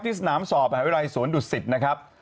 สนามสอบหาวิทยาลัยสวนดุสิตนะครับ